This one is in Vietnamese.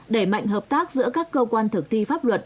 đẩy mạnh hợp tác giữa các cơ quan thực thi pháp luật